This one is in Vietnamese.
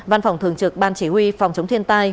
văn phòng thường trực ban chỉ huy phòng chống thiên tai